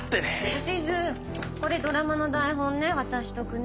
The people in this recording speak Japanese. おしずこれドラマの台本ね渡しとくね。